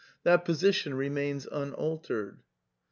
That position remains imaltered.